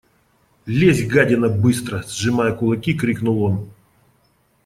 – Лезь, гадина, быстро! – сжимая кулаки, крикнул он.